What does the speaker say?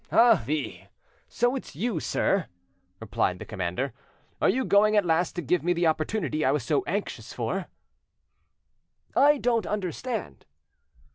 "Ali! so it's you, sir," replied the commander. "Are you going at last to give me the opportunity I was so anxious for?" "I don't understand."